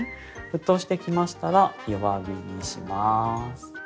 沸騰してきましたら弱火にします。